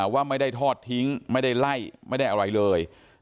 ว่าไม่ได้ทอดทิ้งไม่ได้ไล่ไม่ได้อะไรเลย